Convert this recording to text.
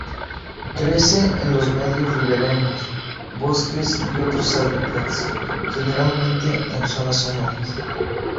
Crece en los medios ribereños, bosques y otros hábitats, generalmente en zonas húmedas.